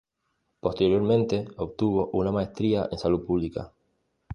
Posteriormente obtuvo una maestría en Salud Pública.